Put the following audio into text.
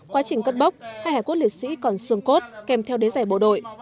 quá trình cất bốc hai hải quốc liệt sĩ còn xương cốt kèm theo đế rẻ bộ đội